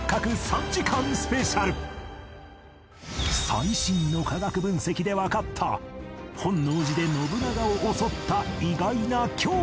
最新の科学分析でわかった本能寺で信長を襲った意外な凶器とは！？